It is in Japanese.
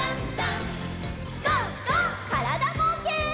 からだぼうけん。